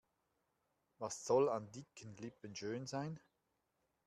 Was soll an dicken Lippen schön sein?